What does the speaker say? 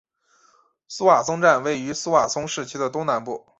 苏瓦松站位于苏瓦松市区的东南部。